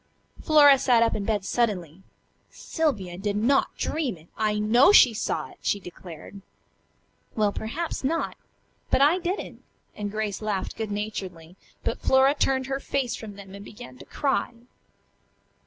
Flora sat up in bed suddenly. "Sylvia did not dream it. I know she saw it," she declared. "Well, perhaps so. But I didn't," and Grace laughed good naturedly; but Flora turned her face from them and began to cry.